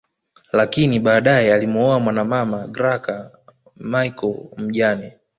Lakini badae alimuoa mwanamama Graca Michael mjane